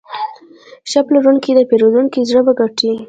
ښه پلورونکی د پیرودونکي زړه وګټي.